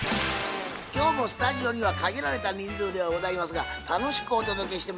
今日もスタジオには限られた人数ではございますが楽しくお届けしてまいりたいと思います。